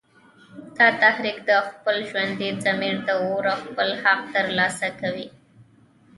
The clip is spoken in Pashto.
دا تحریک د خپل ژوندي ضمیر د اوره خپل حق تر لاسه کوي